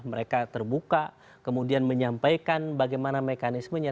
mereka terbuka kemudian menyampaikan bagaimana mekanismenya